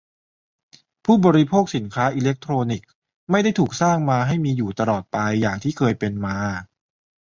ผู้บริโภคสินค้าอิเลคโทรนิกส์ไม่ได้ถูกสร้างมาให้มีอยู่ตลอดไปอย่างที่เคยเป็นมา